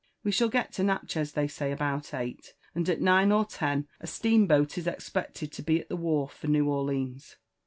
We shall get to Natchez, they say, about eight ; and at nine or ten a steam boat is expected to be at ihe wharf for New Orleans.